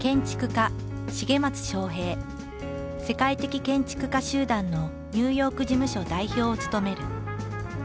世界的建築家集団のニューヨーク事務所代表を務める。